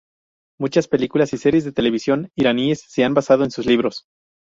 Muchas películas y series de televisión iraníes se han basado en sus libros.